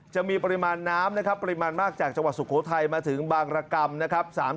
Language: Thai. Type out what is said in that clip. จะมีปริมาณน้ำนะครับปริมาณมากจากจังหวัดสุโขทัยมาถึงบางรกรรมนะครับ